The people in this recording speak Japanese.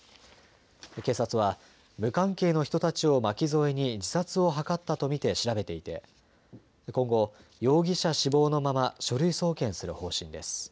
警察は無関係の人たちを巻き添えに自殺を図ったと見て調べていて今後、容疑者死亡のまま書類送検する方針です。